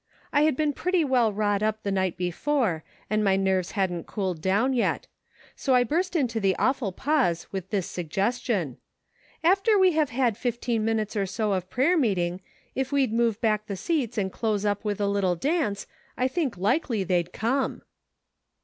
I had been pretty well wrought up the night before, and my nerves hadn't cooled down yet ; so I burst into the awful pause with this suggestion : 'After we have had fifteen minutes or so of prayer meeting, if we'd move back the seats and close up with a little dance, I think likely they'd come.'